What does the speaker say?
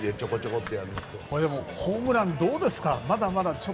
ホームランどうですか。